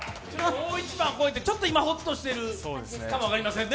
大一番超えて、今、ちょっとほっとしてるかもしれませんね。